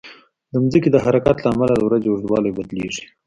د ځمکې د حرکت له امله د ورځې اوږدوالی بدلېږي.